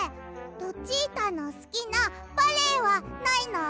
ルチータのすきなバレエはないの？